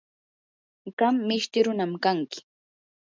qam mishti runam kanki.